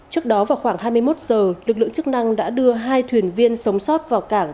trước đó vào khoảng hai mươi một giờ lực lượng chức năng đã đưa hai thuyền viên sống sót vào cảng